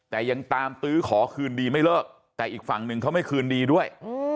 แต่ยังตามตื้อขอคืนดีไม่เลิกแต่อีกฝั่งหนึ่งเขาไม่คืนดีด้วย